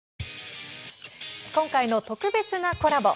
今回の特別なコラボ